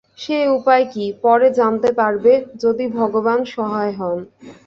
সে উপায় কি, পরে জানতে পারবে, যদি ভগবান সহায় হন।